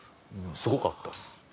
すごかったです。